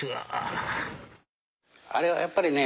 あれはやっぱりね